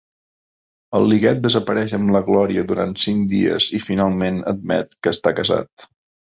El Liggett desapareix amb la Glòria durant cinc dies i finalment admet que està casat.